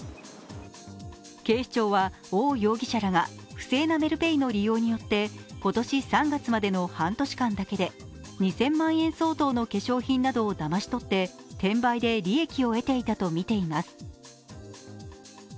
警視庁は王容疑者らが不正なメルペイの利用によって今年３月までの半年間だけで２０００万円相当の化粧品などをだまし取って転売で利益を得ていたとみています。